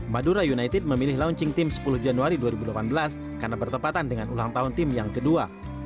madura united memilih launching team sepuluh januari dua ribu delapan belas karena bertepatan dengan ulang tahun tim yang kedua